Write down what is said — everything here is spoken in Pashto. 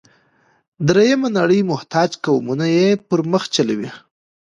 درېیمه نړۍ محتاج قومونه یې پر مخ چلوي.